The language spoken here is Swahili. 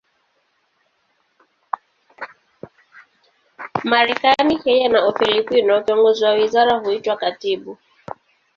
Marekani, Kenya na Ufilipino, kiongozi wa wizara huitwa katibu.